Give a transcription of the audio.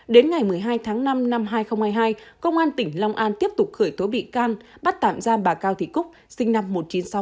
đến ngày một mươi hai tháng năm năm hai nghìn hai mươi hai công an tỉnh long an tiếp tục khởi tố bị can bắt tạm giam bà cao thị cúc sinh năm một nghìn chín trăm sáu mươi ba